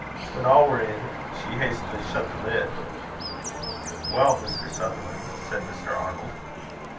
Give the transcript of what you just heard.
When all were in, she hastily shut the lid. "Well, Mr. Sutherland?" said Mr. Arnold.